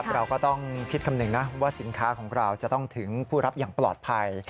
เราก็ต้องคิดคำหนึ่งนะว่าสินค้าของเราจะต้องถึงผู้รับอย่างปลอดภัย